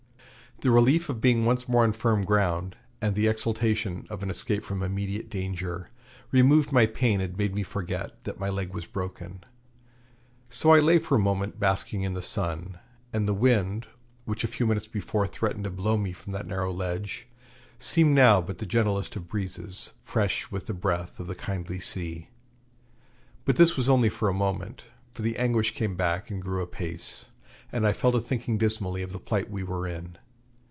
The relief of being once more on firm ground, and the exultation of an escape from immediate danger, removed my pain and made me forget that my leg was broken. So I lay for a moment basking in the sun; and the wind, which a few minutes before threatened to blow me from that narrow ledge, seemed now but the gentlest of breezes, fresh with the breath of the kindly sea. But this was only for a moment, for the anguish came back and grew apace, and I fell to thinking dismally of the plight we were in.